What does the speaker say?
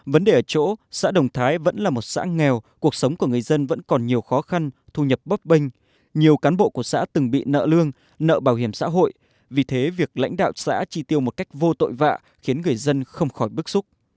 vấn đề ở chỗ xã đồng thái vẫn là một xã nghèo cuộc sống của người dân vẫn còn nhiều khó khăn thu nhập bấp bênh nhiều cán bộ của xã từng bị nợ lương nợ bảo hiểm xã hội vì thế việc lãnh đạo xã tri tiêu một cách vô tội vạ khiến người dân không khỏi bức xúc